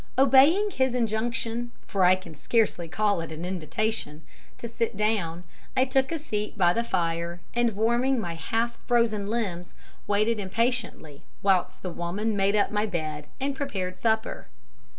Obeying his injunction for I can scarcely call it an invitation to sit down, I took a seat by the fire, and warming my half frozen limbs, waited impatiently whilst the woman made up my bed and prepared supper.